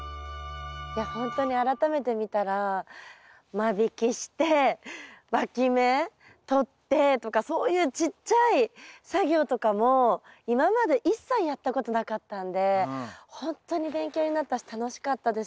いやほんとに改めて見たら間引きしてわき芽とってとかそういうちっちゃい作業とかも今まで一切やったことなかったんでほんとに勉強になったし楽しかったです。